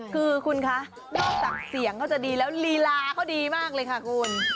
คือคุณคะนอกจากเสียงเขาจะดีแล้วลีลาเขาดีมากเลยค่ะคุณ